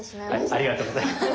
ありがとうございます。